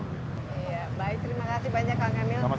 iya baik terima kasih banyak kang emil